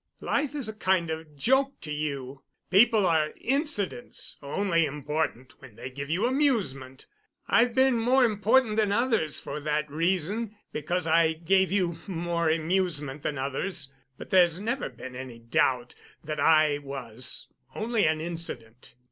Life is a kind of joke to you. People are incidents, only important when they give you amusement. I've been more important than others for that reason—because I gave you more amusement than others, but there's never been any doubt that I was only an incident.